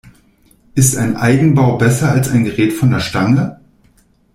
Ist ein Eigenbau besser als ein Gerät von der Stange?